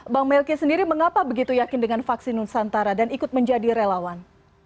bang melki sendiri mengapa begitu yakin dengan vaksin nusantara dan ikut menjadi relawan